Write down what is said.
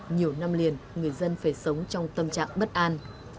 nhiều năm liền người dân phải sống trong tâm trạng bất an